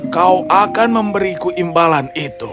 kau akan memberiku imbalan